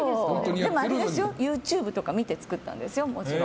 でもＹｏｕＴｕｂｅとか見て作ったんですよ、もちろん。